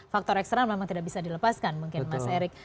faktor eksternal memang tidak bisa dilepaskan mungkin mas erick